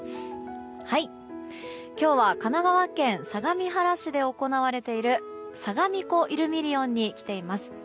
今日は神奈川県相模原市で行われているさがみ湖イルミリオンに来ています。